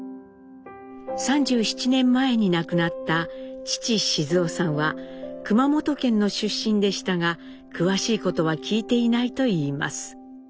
３７年前に亡くなった父雄さんは熊本県の出身でしたが詳しいことは聞いていないといいます。